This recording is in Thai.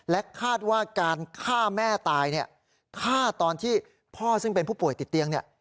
คาดว่าการฆ่าแม่ตายเนี่ยฆ่าตอนที่พ่อซึ่งเป็นผู้ป่วยติดเตียงเนี่ย